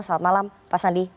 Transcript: salam malam pak sandi